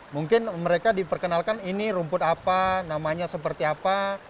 mungkin mereka diperkenalkan ini rumput apa namanya seperti apa